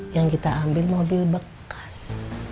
yang kita ambil mobil bekas